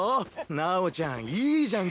⁉楠宝ちゃんいいじゃん